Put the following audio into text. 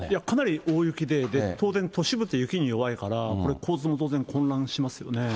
かなり大雪で、当然、都市部って雪に弱いから、これ、交通も当然混乱しますよね。